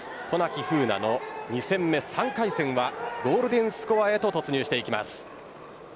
渡名喜風南の２戦目３回戦はゴールデンスコアへと突入していきます。